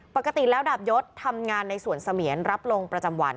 ปกติแล้วดาบยศทำงานในสวนเสมียนรับลงประจำวัน